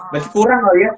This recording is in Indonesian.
berarti kurang lah ya